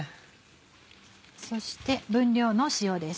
そして分量の塩です。